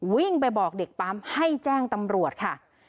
วิ่งไปบอกเด็กปั๊มให้แจ้งตำรวจค่ะ